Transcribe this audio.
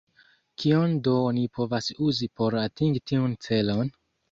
Kion do oni povas uzi por atingi tiun celon?